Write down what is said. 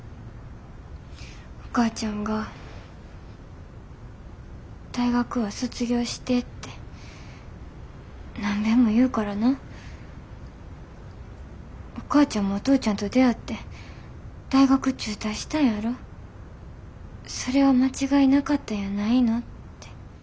お母ちゃんが大学は卒業してって何べんも言うからなお母ちゃんもお父ちゃんと出会って大学中退したんやろそれは間違いなかったんやないのって。